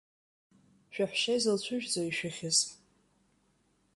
Шәаҳәшьа изылцәыжәӡозеи ишәыхьыз.